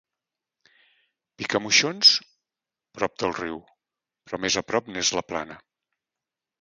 Picamoixons, prop del riu, però més a prop n'és la Plana.